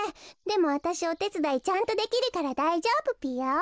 でもわたしおてつだいちゃんとできるからだいじょうぶぴよ。